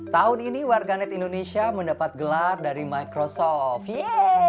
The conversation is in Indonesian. tahun ini warganet indonesia mendapat gelar dari microsoft